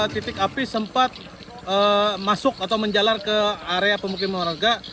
titik api sempat masuk atau menjalar ke area pemukiman warga